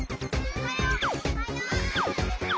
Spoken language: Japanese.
・おはよう！